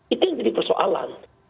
itu yang jadi persoalan